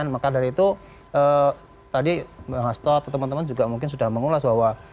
maka dari itu tadi bang hasto atau teman teman juga mungkin sudah mengulas bahwa